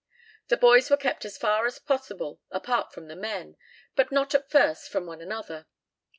The boys were kept as far as possible apart from the men, but not at first from one another.